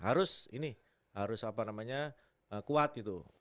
harus ini harus apa namanya kuat gitu